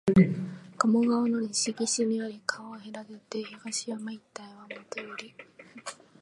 加茂川の西岸にあり、川を隔てて東山一帯はもとより、